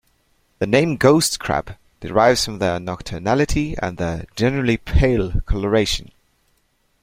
The name "ghost crab" derives from their nocturnality and their generally pale coloration.